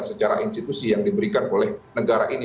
secara institusi yang diberikan oleh negara ini